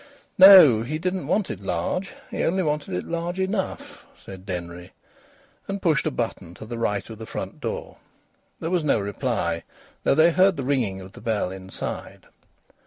"No! He didn't want it large. He only wanted it large enough," said Denry, and pushed a button to the right of the front door. There was no reply, though they heard the ringing of the bell inside.